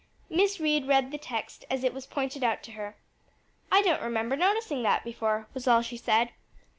Miss Reed read the text as it was pointed out to her, "I don't remember noticing that before," was all she said.